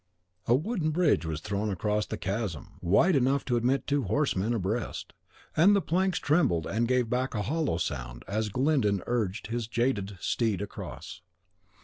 A wooden bridge was thrown over the chasm, wide enough to admit two horsemen abreast; and the planks trembled and gave back a hollow sound as Glyndon urged his jaded steed across.